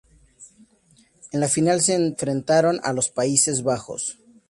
En la final se enfrentaron a los Países Bajos.